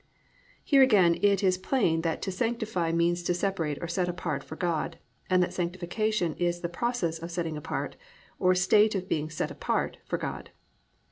"+ Here again it is plain that to sanctify means to separate or set apart for God, and that Sanctification is the process of setting apart or state of being set apart for God.